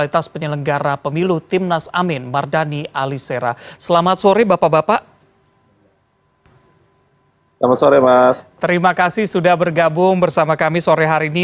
terima kasih sudah bergabung bersama kami sore hari ini